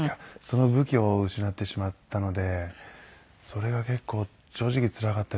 その武器を失ってしまったのでそれが結構正直つらかったですね。